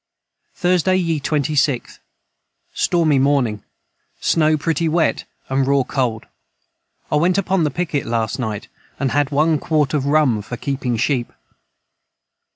Thursday ye 26th. Stormy morning snow pretty wet & raw cold I went upon the pickit last night and had one Quort of rum for keeping sheep.